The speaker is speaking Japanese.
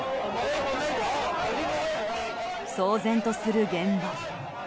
騒然とする現場。